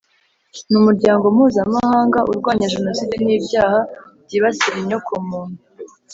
Ni umuryango mpuzamahanga urwanya Jenoside n’ibyaha byibasira inyoko muntu